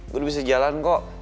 gue bisa jalan kok